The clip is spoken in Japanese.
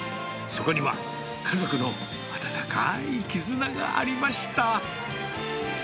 そこには、家族の温かい絆がありました。